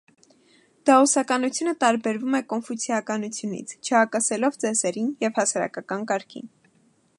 Դաոսականությունը տարբերվում է կոնֆուցիականությունից՝ չհակասելով ծեսերին և հասարակական կարգին։